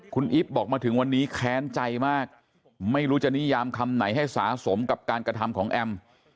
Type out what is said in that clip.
คุณอิ๊บบอกมาถึงวันนี้แค้นใจมากไม่รู้จะนิยามคำไหนให้สะสมกับการกระทำของแอม